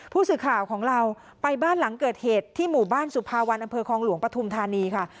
ผู้สื่อข่าวของเราไปบ้านหลังเกิดเหตุที่หมู่บ้านสุภาวันอำเภอคลองหลวงปฐุมธานีค่ะ